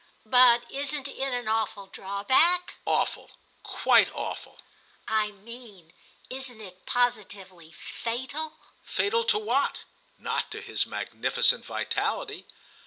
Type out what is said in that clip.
"But isn't it an awful drawback?" "Awful—quite awful." "I mean isn't it positively fatal?" "Fatal to what? Not to his magnificent vitality."